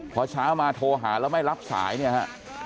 พอเช้ามาโทรหาแล้วไม่รับสายเนี่ยฮะ